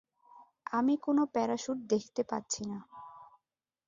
আমি কোনো প্যারাশ্যুট দেখতে পাচ্ছি না।